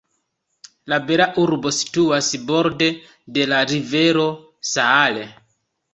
La bela urbo situas borde de la rivero Saale.